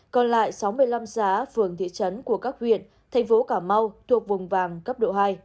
còn lại sáu mươi năm xã phường thị trấn của các huyện thành phố cà mau thuộc vùng vàng cấp độ hai